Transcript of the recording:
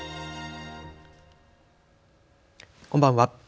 こんばんは。